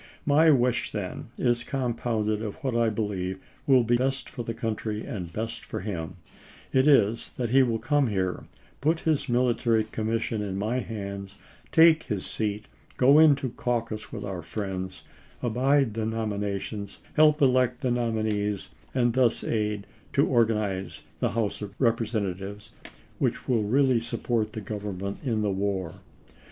My wish, then, is compounded of what I believe will be best for the country and best for him ; and it is that he will come here, put his military commission in my hands, take his seat, go into caucus with our friends, abide the nominations, help elect the nominees, and thus aid to organize a House of Represent atives which will really support the Government in the war.